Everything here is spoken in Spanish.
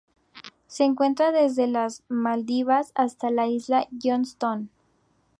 Se encuentra desde las Maldivas hasta la Isla Johnston.